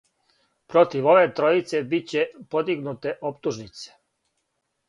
Против ове тројице биће подигнуте оптужнице.